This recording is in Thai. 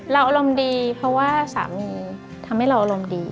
อารมณ์ดีเพราะว่าสามีทำให้เราอารมณ์ดี